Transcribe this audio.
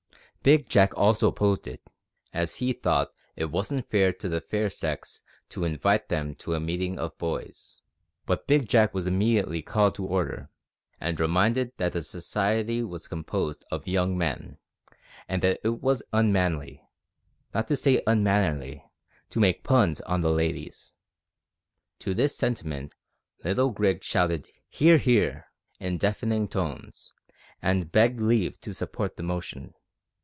Big Jack also opposed it, as he thought it wasn't fair to the fair sex to invite them to a meeting of boys, but Big Jack was immediately called to order, and reminded that the Society was composed of young men, and that it was unmanly not to say unmannerly to make puns on the ladies. To this sentiment little Grigs shouted "Hear! hear!" in deafening tones, and begged leave to support the motion.